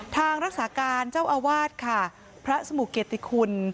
ทางรักษาการเจ้าอาวาสค่ะพระสมุเกติคุณ